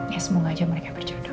ya semoga aja mereka berjudul